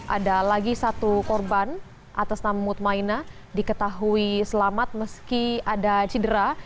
ada lagi satu korban atas nama mutmaina diketahui selamat meski ada cedera